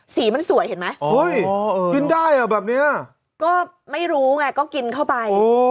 สีมันสวยเห็นไหมกินได้อ่ะแบบนี้ก็ไม่รู้ไงก็กินเข้าไป